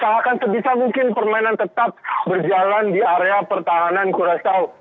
akan sebisa mungkin permainan tetap berjalan di area pertahanan kurasaw